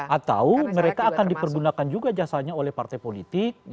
atau mereka akan dipergunakan juga jasanya oleh partai politik